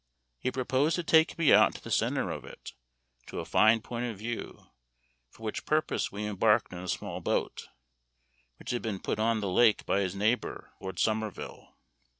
He proposed to take me out to the centre of it, to a fine point of view, for which purpose we embarked in a small boat, which had been put on the lake by his neighbor, Lord Somerville.